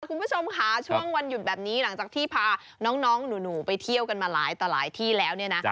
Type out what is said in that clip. คุณผู้ชมค่ะช่วงวันหยุดแบบนี้หลังจากที่พาน้องหนูไปเที่ยวกันมาหลายต่อหลายที่แล้วเนี่ยนะ